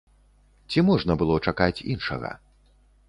Ці можна было чакаць іншага?